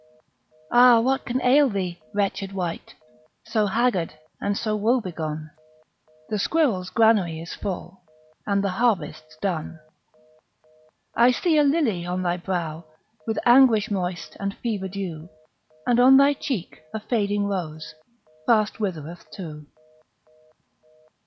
Ah, what can ail thee, wretched wight, So haggard and so woe begone The squirrel's granary is full, And the harvest's done. I see a lily on thy brow With anguish moist and fever dew, And on thy cheek a fading rose Fast withereth too.